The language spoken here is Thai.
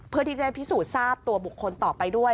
เพื่อที่จะพิสูจน์ทราบตัวบุคคลต่อไปด้วย